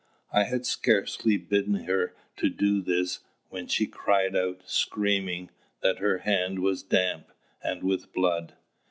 I had scarcely bidden her to do this when she cried out, screaming, that her hand was damp, and with blood.